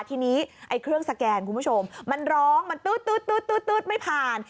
ทีนี้ไอ้เครื่องสแกนคุณผู้ชมมันร้องมันตื๊ดไม่ผ่าน